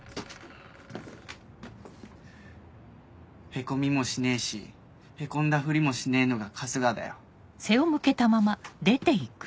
へこみもしねえしへこんだふりもしねえのが春日だよ。